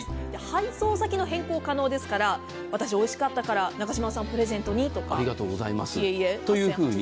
配送先の変更可能ですから私、おいしかったから中島さんプレゼントにとかというふうに。